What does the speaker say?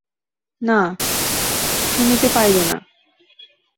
না, গুনিতে পাইবে না।